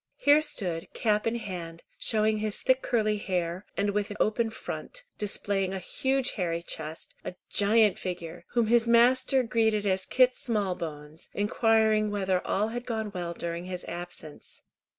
Here stood, cap in hand, showing his thick curly hair, and with open front, displaying a huge hairy chest, a giant figure, whom his master greeted as Kit Smallbones, inquiring whether all had gone well during his absence.